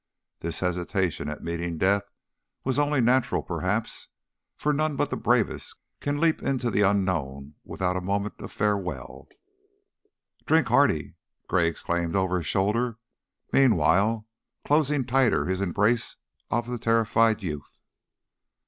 This hesitation at meeting death was only natural, perhaps, for none but the bravest can leap into the unknown without a moment of farewell. "Drink hearty!" Gray exclaimed, over his shoulder, meanwhile closing tighter his embrace of the terrified youth.